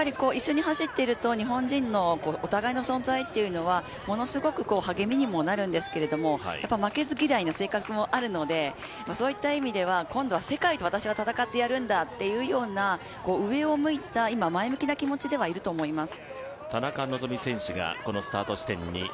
一緒に走っていると日本人のお互いの存在というのはものすごく励みにもなるんですけれども負けず嫌いな性格もあるのでそういった意味では今度は世界と私は戦ってやるんだというような上を向いた、前向きな気持ちではいると思います。